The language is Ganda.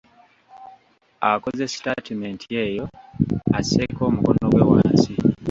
Akoze sitaatimenti eyo, asseeko omukono gwe wansi.